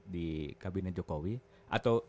di kabinet jokowi atau